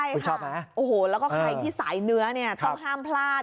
คุณชอบไหมโอ้โหแล้วก็ใครที่สายเนื้อเนี่ยต้องห้ามพลาด